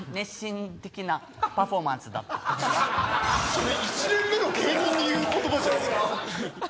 それ１年目の芸人に言う言葉じゃないっすか。